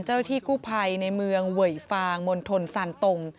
เจ้าหน้าที่กู้ภัยในเมืองเวยฟางมณฑลสันตง